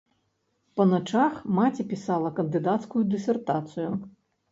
Па начах маці пісала кандыдацкую дысертацыю.